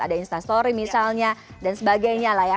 ada instastory misalnya dan sebagainya lah ya